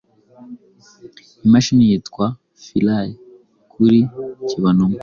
imashini yitwa Philae kuri kibonumwe